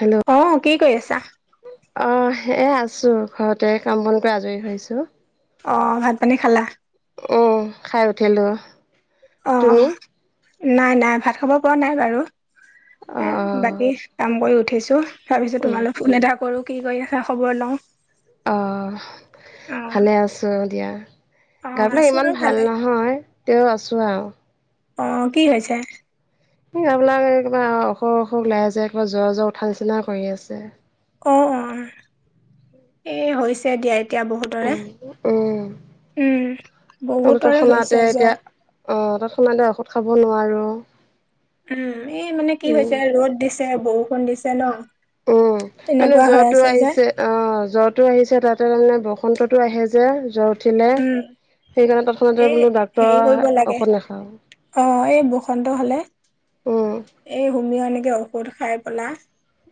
Hello. অ কি কৰি আছা? অঁ এ আছো ঘৰতে কাম বন কৰি আজৰি হৈছো। অঁ ভাত পানী খালা? অঁ খাই উঠিলো। অঁ তুমি নাই, নাই ভাত খাব পৰা নাই বাৰু। অ এ অ বাকী কাম কৰি উঠিছো, তাৰপিছত উম তোমালৈ ফোন এটা কৰো কি কৰি আছা খবৰ লওঁ। আহ অ ভালে আছো, অ দিয়া। অ গা বিলাক আছো ইমান আৰু ভাল ভালে নহয় তেও আছো আৰু। অ কি হৈছে? সেই এবিলাক এ কিবা অসুখ অসুখ লাগি আছে যায় কিবা জ্বৰ জ্বৰ উঠা নিচিনা কৰি আছে। অ অ অ এ হৈছে দিয়া এতিয়া বহু তৰে উম উম উম বহুতৰে তৎক্ষণাতে হৈছে এতিয়া জ্বৰ। অ তত খনতে ঔষধ খাব নোৱাৰো। উম এই মানে কি উম হৈছে ৰ'দ দিছে বৰষুণ দিছে ন। উম মানে তেনেকুৱা হৈ জ্বৰতো আছে যে আহিছে। অ জ্বৰটো আহিছে তাতে তামানে বসন্ততো আহে যে জ্বৰ উঠিলে উম সেইকাৰণে তৎক্ষণতে এই বোলো ডাক্তৰৰ ঔষধ নেখাওঁ। অঁ এই বসন্ত হলে উম, এই হোমিয় এনেকে ঔষধ খাই পেলা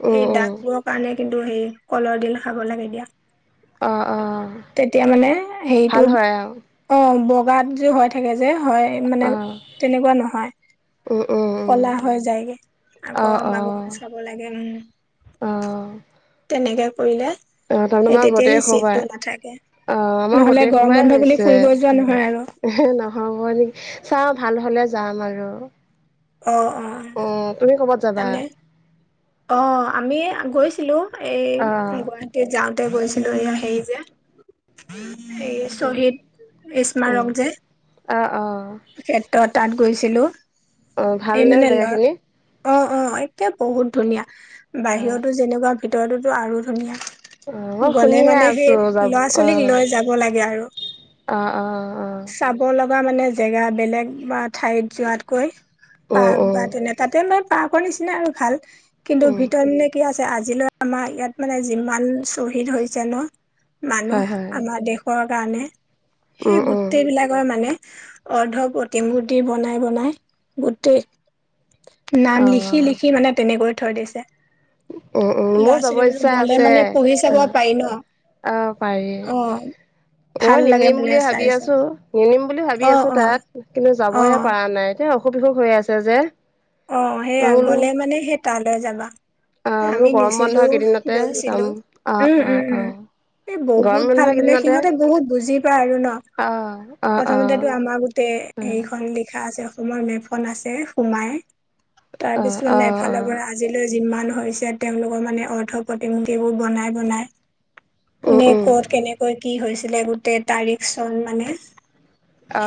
উম, এই উম, দাগবোৰক পালে কিন্তু সেই কলৰ দিল খাব লাগে, দিয়া। অ', অ', তেতিয়া মানে হেৰিটো, ভাল হয় আৰু অঁ বগাত যি হয় থাকে যে, হয় মানে অ', তেনেকুৱা নহয়, উম, উম, উম, কলা হৈ যায়গে। আকৌ অ', মা অ', চাব লাগে উম, অ', তেনেকে কৰিলে অ', তাৰমানে সেই আমাৰ তেতিয়া‌ গোটেই সেই সোপাই চিনটো নাথাকে। অ', আমাৰ নহলে গোটেই গৰম বন্ধ বুলি ফুৰিব যোৱা নহয় আৰু-। এ হে নহ'ব নেকি চাওঁ ভাল হলে যাম আৰু। অ অ। অ তুমি ক'ৰবাত যাবা? তাৰমানে অ আমি গৈছিলো, এই অ', গুৱাহাটীত যাওঁতে গৈছিলো এই হেৰি যে এই উম, শ্বহীদ উম, স্মাৰক যে অ', অ', তেখে ত তাত গৈছিলো। অ', এই ভালনে মানে ল জেগাখিনি? অঁ অঁ এতিয়া বহুত ধুনীয়া অ', বাহিৰতো যেনেকুৱা ভিতৰতো আৰু অ', ধুনীয়া। মই গ'লে শুনিহে মানে সেই, আছোঁ যাব ল'ৰা ছোৱালীক লৈ যাব লাগে আৰু। অঁ অঁ অঁ। চাব লগা মানে জেগা বেলেগ বা ঠাইত যোৱাতকৈ উম, পাৰ্ক উম, বা তেনে তাতে এনে পাৰ্কৰ নিচিনা আৰু ভাল কিন্তু উম। ভিতৰত এনে কি আছে আজিলৈ আমাৰ ইয়াত মানে যিমান শ্বহিদ হৈছে ন' হয় মানুহ হয় আমাৰ দেশৰ কাৰণে উম সেই গোট উম গোটেইবিলাকৰ মানে অৰ্ধ প্ৰতিম গুটি বনাই- বনাই গোটেই [inaudible] নাম লিখি- লিখি মানে তেনেকৈ থৈ দিছে। উম উম মোৰ ল'ৰা - যাব ছোৱালীবোৰ ইচ্ছা গলে আছে মানে পঢ়ি চাব অ' পাৰি ন '? অ, পাৰি। অ, ভাল নিম‌ লাগে -নিম মানে বুলি চাই ভাবি চাই। আছোঁ নিম -নিম বুলি ভাবি অ', আছোঁ অ', তাত কিন্তু যাবহে অ', পাৰা নাই। এ অসুখ- বিসুখ হৈ আছে যে। অ, মই সেয়া বোলো গ'লে মানে সেই তালৈ যাবা। অ' বোলো আমি গৰম বন্ধ নিছিলোঁ কেইদিনতে যাম গৈছিলোঁ অ' অ' উম-উম-উম। অ' এ গৰম বহুত বন্ধ ভাল মানে কেইদিনতে সিহঁতে বহুত বুজি পায় আৰু ন'। অ', অ', অ' অ' প্ৰথমতেটো আমাৰ গোটেই সেই খন লিখা আছে [unintelligible] মেফন আছে সোমাই তাৰ পিছ মানে এফালৰ অ' পৰা আজিলৈ যিমান হৈছে তেওঁলোকৰ মানে অৰ্থ প্ৰতিমূৰ্তিবোৰ বনায়-বনায়। উম কোনে উম ক'ত কেনেকৈ কি হৈছিলে গোটেই তাৰিখ চন মানে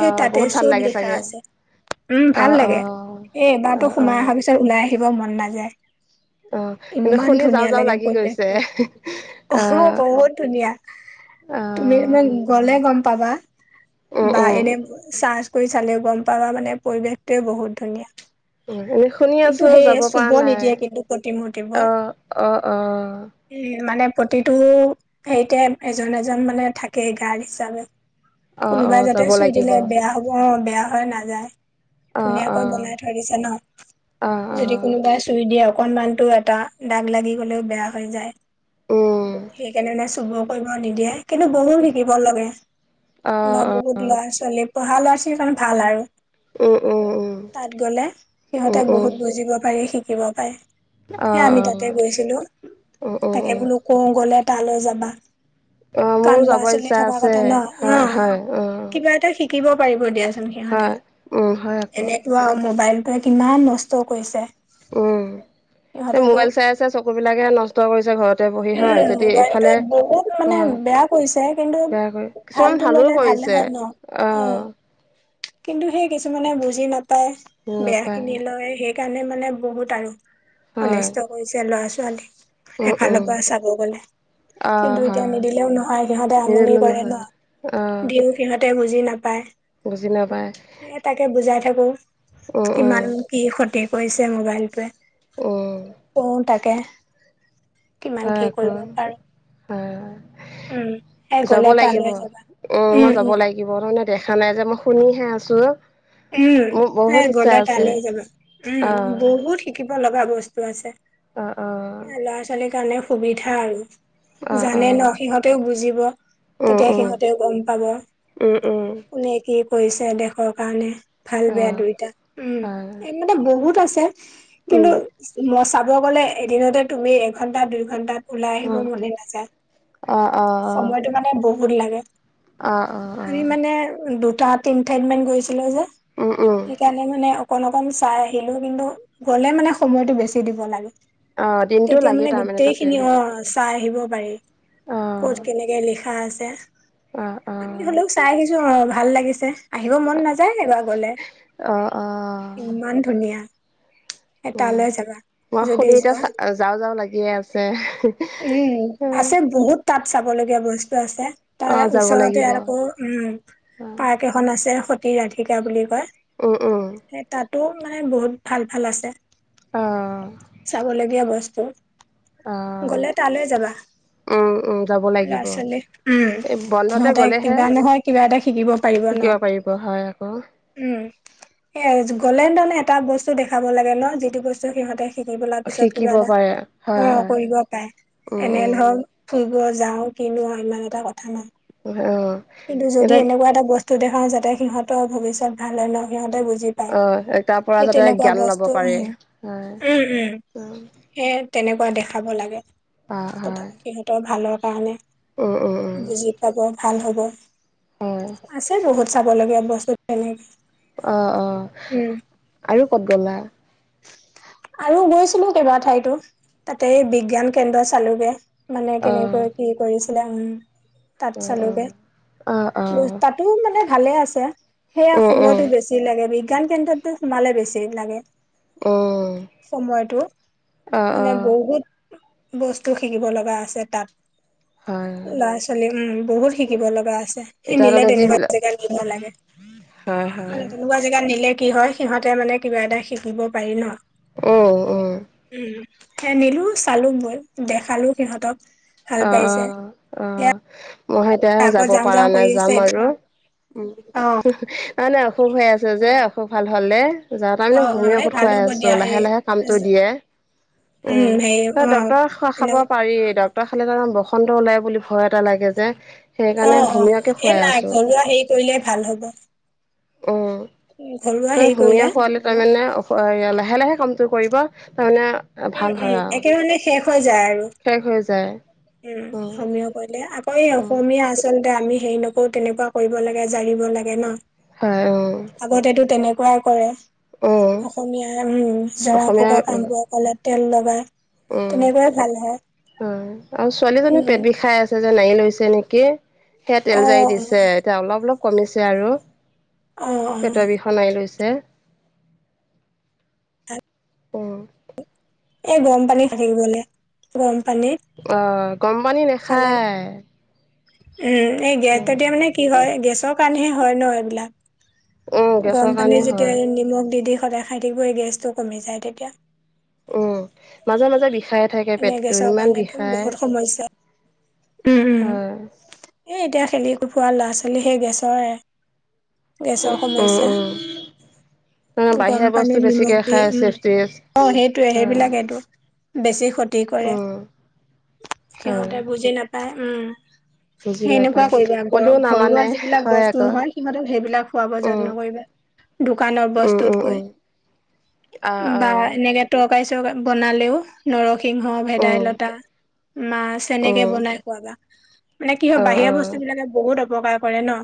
সেই তাতে বহুত ভাল চব লাগে লিখা চাগে আছে উম, ভাল অ' অ' লাগে এ- এবাৰ অ' সোমাই আহা অ' পিছত ওলাই আহিব মন নাযায়। [inaudible] অ, কিন্তু ইমান শুনি যাওঁ ধুনীয়া যাওঁ লাগে -লাগি গৈছে পৰিৱেশটো অ। অ', ইমান গ'লে গম পাবা উম বা উম এনে চাহ কৰি চালে গম পাবা মানে পৰিৱেশটোৱে বহুত ধুনীয়া। উম, এনে শুনি কিন্তু আছোঁ সেই যাব চুব পাৰা নাই নিদিয়ে কিন্তু প্ৰতিমূৰ্তিবোৰ অ', অ', অ', [unintelligible] মানে প্ৰতিটো সেইতে এজন -এজন মানে থাকেই গাৰ্ড হিচাপে। অ অ কোনোবাই যাতে যাব চুই লাগিব দিলে বেয়া হ'ব অ, বেয়া হয় নাযায়। অ অ ধুনীয়াকৈ বনাই থৈ দিছো ন? অ, যদি কোনোবাই চুই দিয়ে অকনমানটো এটা দাগ লাগি গ'লেও বেয়া হৈ যায়। উম সেইকাৰণে চুব কৰিব নিদিয়ে কিন্তু বহুত শিকিব লাগে অ বা অ বহুত ল'ৰা-ছোৱালী পঢ়া ল'ৰা-ছোৱালীৰ কাৰণে ভাল আৰু। উম-উম তাত গ'লে তে উম বহুত বুজিব পাৰি শিকিব পাৰে অ অ সে আমি তাতে গৈছিলোঁ। উম উম উম তাকে বোলোঁ কওঁ গ'লে তালৈ যাবা। অ মোৰো কাৰন যাব লৰা - ছোৱালী ইচ্ছা থকা আছে কথা ন' হয় উম, হয় অ কিবা এটা শিকিব পাৰিব দিয়া। [unintelligible] হয় সিহঁতে উম হয় আকৌ এনেকুৱা মোবাইল টোৱে কিমান নষ্ট কৰিছে। উম, এ সিহঁতেতো মোবাইল চাই আছে চকু বিলাকেহে নষ্ট কৰিছে ঘৰতে বহি উম, হয় যদি মোবাইলটোৱে এইফালে বহুত মানে হয় বেয়া কৰিছে কিন্তু বেয়া কৰে কিছুমান ভালতো ভালো ল'লে ভালে কৰিছে হয় ন' অ, কিন্তু সেই কিছুমানে বুজি নাপায় বেয়া খিনি। নাপায় ত'য়ে সেইকাৰণে মানে বহুত আৰু হয় অনিষ্ট কৰিছে ল'ৰা -ছোৱালী। উম এফালৰ উম পা চাব গ'লে। অ কিন্তু এতিয়া হয় নিদিলেওঁ নহয় সিহঁতে আমনি নিদিলো কৰে নহয় অ ন' দিও। সিহঁতে বুজি নাপায়। বুজি নাপায়। এ তাকে বুজাই থাকো উম উম কিমান কি ক্ষতি কৰিছে মোবাইলটোৱে। উম কও তাকে। কিমান হয় কি আকৌ। কৰিব পাৰো হয় উম, সেই যাব গ'লে লাগিব তালৈ যাবা উম, মই যাব লাগি ব মই মানে দেখা নাই যে মই শুনিহে আছো। উম, মোৰ সেই বহুত ইচ্ছা গ'লে আছে তালৈ যাবা। উম, অ বহুত শিকিব লগা বস্তু আছে। অ অ ল'ৰা ছোৱালীৰ কাৰণে সুবিধা আৰু। অ অ অ জানে ন সিহঁতেও বুজিব উম তেতিয়া উম সিহঁতেও গম পাব। উম উম, নে একেই কৰিছে দেশৰ কাৰণে ভাল অ বেয়া দুয়োটা উম। হয় এই মানে বহুত আছে। কিন্তু উম মই চাব গ'লে এদিনতে তুমি এঘন্টা, দুই ঘণ্টাত ওলাই আহিব অ মনে নাযায় অ অ অ সময়টো মানে বহুত লাগে। অ অ আমি অ মানে দুটা তিন ঠাইত মান গৈছিলো যে। উম-উম, সেইকাৰণে মানে অকণ-অকণ চাই আহিলো কিন্তু গ'লে মানে সময়টো বেছি দিব লাগে। অ দিনটো তেতিয়া লাগে মানে তাৰমানে গোটেই তাতে খিনি অ', চাই আহিব পাৰি অ ক'ত কেনেকে লিখা আছে অ অ আমি হলেও চাই আহিছো অ ভাল লাগিছে আহিব মন না যায় বাওঁ গলে অ অ ইমান ধুনীয়া এ উম তালে যাবা। মই যদি শুনি যোৱা এতিয়া যাওঁ-যাওঁ লাগিয়ে আছে। উম আছে বহুত তাত চাবলগীয়া বস্তু আছে অ তাৰ যাব ওচৰতে লাগিব আৰু আকৌ উম, অ পাৰ্ক এখন আছে সতী ৰাধিকা বুলি কয়। উম-উম, এ তাতো মানে বহুত ভাল-ভাল আছে। অ', চাবলগীয়া বস্তু অ গলে তালে যাবা। উম উম যাব লৰা লাগিব ছোৱালী উম এই বন্ধতে সিহতে গ'লেহে কিবা নহয় কিবা এটা শিকিব পাৰিব ন বঢাই আকৌ উম এ গলেণ্ড নে এটা বস্তু দেখাব লাগে ন যিটো বস্তু সিহঁতে শিকি পলাৰ পিছত কিবা শিকিব এটা পাৰে অ হয় হয় কৰিব পাৰে উম এনে উম ধৰ ফুৰিব যাও কিনোৱা ইমান এটা কথা নাই অ কিন্তু যদি এতিয়া এনেকুৱা এটা বস্তু দেখাও যাতে সিহঁতৰ ভৱিষ্যত ভাল হয় ন সিহঁতে বুজি পায় অ তাৰ পৰা সেই যাতে তেনেকুৱা জ্ঞান ল'ব বস্তু পাৰে উম হয় উম উম সেয়ে তেনেকুৱা দেখাব লাগে অ তথা হয় সিহঁতৰ ভালৰ কাৰণে উম উম বুজি পাব ভাল হ'ব উম হয় আছে বহুত চাব লগীয়া বস্তু তেনেকে অ অ উম, আৰু ক'ত গ'লা আৰু গৈছিলো কেইবা ঠাইতো তাতে বিজ্ঞান কেন্দ্ৰ চালোগে মানে অ কেনেকৈ কি কৰিছিলে উ তাত অ চালোগে অ অ অ তাতো মানে ভালে আছে সেয়া উম উম সময়টো বেছি বেছি লাগে বিজ্ঞান কেন্দ্ৰতো সোমালে বেছিয়ে লাগে। উম সময়তো অ অ মানে বহুত বস্তু শিকিব লগা আছে তাত হয় ল'ৰা ছোৱালী উম বহুত শিকিব লগা আছে সি নিলে এতিয়ালৈকে তেনেকোৱা যিবিলাক জেগাত নিব লাগে, হয় মানে হয় তেনেকোৱা জেগাত নিলে কি হয়। সিহঁতে মানে কিবা এটা শিকিব পাৰি ন, উম উম উম। নিলো চালো মই দেখালো সিহঁতক। ভাল অ পাইছে। অ অ। সেয়া মই এতিয়া আকৌ যাব যাওঁ পৰা যাওঁ নাই কৰি আছে। যাম আৰু। অ', নাই নাই অসুখ হৈ আছে যে অসুখ ভাল হ'লে। যাওঁ তাৰ মানে অ', অ', হোমেই এই ঔষধ ভাল খুৱাই হ'ব আছোঁ দিয়া এই লাহে লাহে কামটো দিয়ে। উম হেৰি অ', ডক্টৰ খাব এনে পাৰি ড ক্টৰ খালে মানে বসন্ত ওলাই বুলি ভয় এটা লাগে যে। অ সেইকাৰণে অ হোমিয়কে এ খুৱাই নাই আছো ঘৰুৱা হেৰি কৰিলে ভাল হব। উম উম, ঘৰুৱা হেৰি তই সুমীয়া কৰিলে খোৱালৈ তাৰমানে লাহে লাহে কামটো কৰিব তাৰমানে উম ভাল হয় উম আৰু একে ধৰণে শেষ হৈ যায় আৰু। শেষ হৈ যায়। উম সমীঅ কৰিলে আকৌ এই উম অসমীয়া আ আচলতে আমি সেই নকৰো তেনেকুৱা কৰিব লাগে জাৰিব লাগে ন। হয়। উম আগতেতো তেনেকোৱাই কৰে। উম অসমীয়া উম জৰা অসমীয়া ফুকা কামবোৰ ক'লে তেল লগাই উম তেনেকুৱাই ভাল হয় অ আৰু ছোৱালীজনী উম পেট বিষাই আছে যে নাৰি লৈছে নেকি। সেয়া অ তেল জাৰি দিছে এতিয়া অলপ অলপ কমিছে আৰু অ অ পেটৰ বিষ সনাই লৈছে অ। এই গৰম পানী থাকিবলে গৰম পানীত। অ গৰম পানী নেখায়। উম এই গেছ তেতিয়া মানে কি হয় গেছৰ কাৰণেহে হয় ন উম, এইবিলাক। গেছৰ গৰম কাৰণে পানীত যেতিয়া হয় নিমখ দি দি সদায় খাই থাকিবই গেছটো কমি যায় তেতিয়া। উম মাজে মাজে বিষায়। এনে গেছৰ কাৰণে বহুত সমস্যা উম হয় উম। এ এতিয়া খেলি ফুৰা ল'ৰা ছোৱালী সেই গেছৰ। গেছৰ উম সমস্যা। উম ন বাহিৰা গৰম বস্তু পানীত নিমখ বেছিকে দি খাই চেফটিজ উম অ সেইটোয়ে হয় সেইবিলাকেই বেছি ক্ষতি কৰে উম হয় সিহঁতে বুজি নাপায় উম। বুজি সেনেকুৱা নাপায় কৰিবা আ ক'লেও নামানে ঘৰুৱা যিবিলাক হয় বস্তু আকৌ নহয় সিহঁতক সেইবিলাক খুৱাব উম যত্ন কৰিবা দোকানৰ বস্তুতকৈ। আহ অ। তৰকাৰি চকা বনালেও নৰ সিংহ, উম ভেদাইলতা, মাছ এনেকে উম বনাই খোৱাবা। মানে কি হয় অঁ বাহিৰা অঁ বস্তুবিলাকে বহুত অপকাৰ কৰে ন।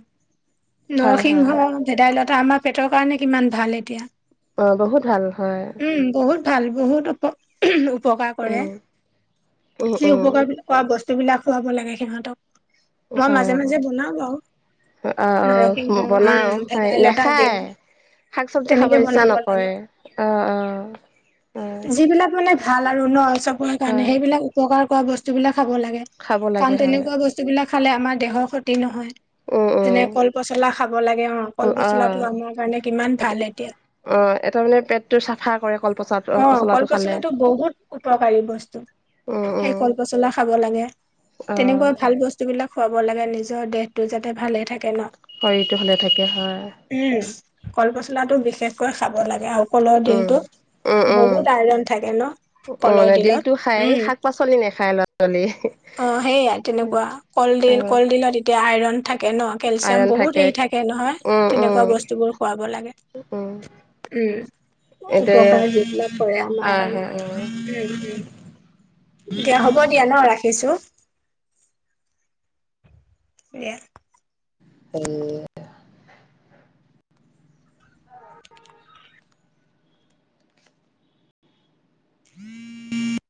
হয় হয় নৰসিংহ, ভেদাইলতা আমাৰ পেটৰ কাৰণে কিমান ভাল এতিয়া। অ বহুত ভাল হয়। উম বহুত ভাল বহুত উপ উপকাৰ কৰে উম উম সেই উম উপকাৰ বিলাক খোৱা বস্তু বিলাক খুৱাব লাগে সিহঁতক, মই মাজে মাজে বনাও বাৰু। অ অ নৰসিংহ বনাও উম খাই ভেদাইলতা নাখায়। দিওঁ শাক চব্জি খাব তেনেকে ইচ্ছা বনাব নকৰে লাগে অ অ অ। যিবিলাক মানে ভাল আৰু ন চবৰে কাৰণে হয় সেইবিলাক উপকাৰ কৰা বস্তুবিলাক খাব লাগে খাব লাগে কাৰণ হয় তেনেকুৱা বস্তু সেইবিলাক খালে আমাৰ দেহৰ ক্ষতি নহয়। উম যেনে উম কল পচলা খাব লাগে অ কল পচলাটো আমাৰ কাৰণে কিমান ভাল এতিয়া। অ এটা মানে পেটটো চাফা কৰে কল অ পচল কল পচলাটো খালে। বহুত উপকাৰী বস্তু উম সেই উম কল পচলা খাব লাগে অ তেনে কোৱা ভাল বস্তু বিলাক খুৱাব লাগে নিজৰ দেহতো যাতে ভালে থাকে ন। শৰীৰটো ভালে থাকে হয়। উম কল পচলাটো বিশেষকৈ খাব লাগে আৰু কলৰ উম দিলটোত, উম উম বহুত আইৰন থাকে ন? উ কলৰ মানে দিলটো দিলত। খাই উম শাক পাচলি নাখায় ল'ৰা ছোৱালী আহ সেইয়া তেনেকুৱা। অ কলডিল কলডিলত এতিয়া আইৰন থাকে ন? কেলচিয়াম বহুত হেৰি থাকে নহয় উম উম তেনেকুৱা বস্তুবোৰ খুৱাব লাগে। উম উম, এতিয়া উপকাৰ যিবিলাক কৰে আমাক হয় আৰু। হয় উম উম, দিয়া হ'ব দিয়া ন ৰাখিছো। এয়া উম। [unintelligible]